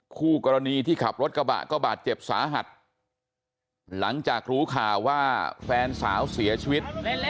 คู่กรณีที่ขับรถกระบะก็บาดเจ็บสาหัสหลังจากรู้ข่าวว่าแฟนสาวเสียชีวิต